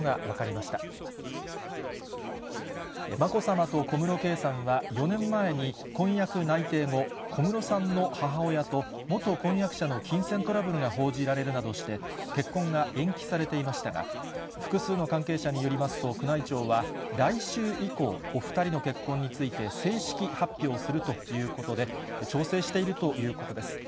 まこさまと小室圭さんは４年前に婚約内定後、小室さんの母親と元婚約者の金銭トラブルが報じられるなどして、結婚が延期されていましたが、複数の関係者によりますと、宮内庁は、来週以降、お２人の結婚について正式発表するということで、調整しているということです。